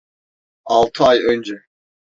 Altı ay önce.